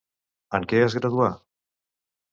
En què es graduà?